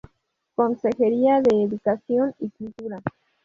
Consejería de Educación y Cultura.